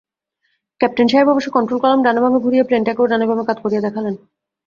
Captain সাহেব অবশ্য control column ডানে-বাঁয়ে ঘুরিয়ে প্লেনটাকেও ডানে-বাঁয়ে কাত করিয়ে দেখালেন।